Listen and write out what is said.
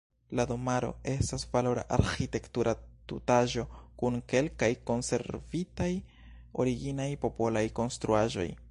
La domaro estas valora arĥitektura tutaĵo kun kelkaj konservitaj originaj popolaj konstruaĵoj.